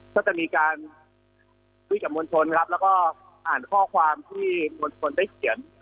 ก็จะมีการคุยกับมวลชนครับแล้วก็อ่านข้อความที่มวลชนได้เขียน